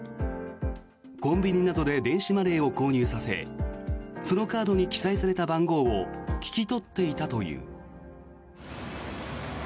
コンビニなどで電子マネーを購入させそのカードに記載された番号を聞き取っていたという。